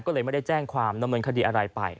ก็เลยไม่ได้แจ้งความดำเนินคดีอะไรไป